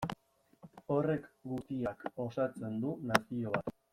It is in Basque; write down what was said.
Horrek guztiak osatzen du nazio bat.